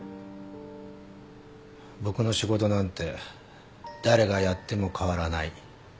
僕の仕事なんて誰がやっても変わらない。